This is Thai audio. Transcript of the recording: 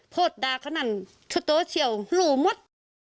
โทษด่าเขานั่นชั่วโตเชี่ยวหลู่หมด